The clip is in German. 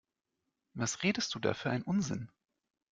Was redest du da für einen Unsinn?